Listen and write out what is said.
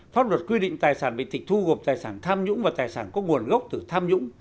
pháp luật quy định tài sản bị tịch thu gộp tài sản tham nhũng và tài sản có nguồn gốc từ tham nhũng